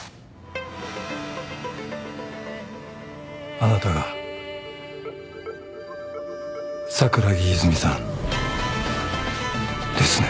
あなたが桜木泉さんですね。